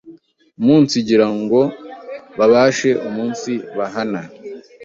umunsigira ngo babashe umunsi bahana,